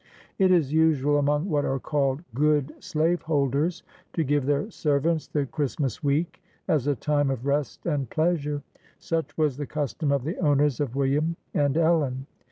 It is usual, among what are called good slaveholders, to give their servants the Christ mas week as a time of rest and pleasure. Such was the custom of the owners of William and Ellen.